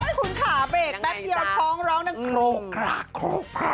ให้คุณขาไปแป๊บเดี๋ยวท้องร้องนางโคร๊ก